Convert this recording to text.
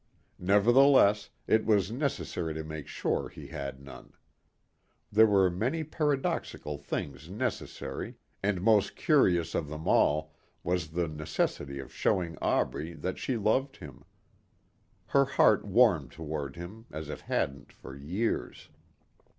Nevertheless it was necessary to make sure he had none. There were many paradoxical things necessary and most curious of them all was the necessity of showing Aubrey that she loved him. Her heart warmed toward him as it hadn't for years.